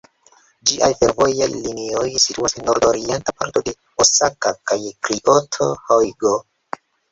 Ĝiaj fervojaj linioj situas en nord-orienta parto de Osaka kaj Kioto, Hjogo.